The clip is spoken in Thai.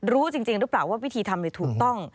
รู้จริงรู้เปล่าว่าวิธีทำเนี่ยถูกต้อง